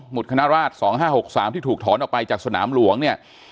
หมุดคณะราชสองห้าหกสามที่ถูกถอนออกไปจากสนามหลวงเนี่ย